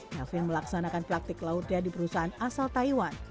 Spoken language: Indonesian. melvin melaksanakan praktik lautnya di perusahaan asal taiwan